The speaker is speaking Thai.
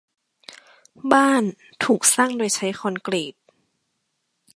บ้านถูกสร้างโดยใช้คอนกรีต